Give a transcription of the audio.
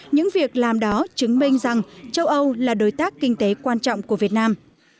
những việc làm đó chứng minh rằng châu âu là đối tác kinh tế quan trọng của việt nam